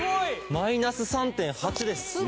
マイナス３．８です。